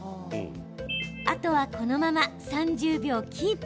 あとは、このまま３０秒キープ。